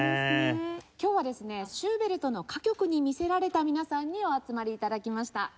今日はですねシューベルトの歌曲に魅せられた皆さんにお集まり頂きました。